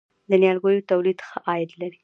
د نیالګیو تولید ښه عاید لري؟